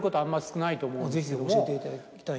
ぜひぜひ教えていただきたい。